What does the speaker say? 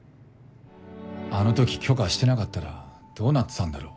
あの時許可してなかったらどうなってたんだろ？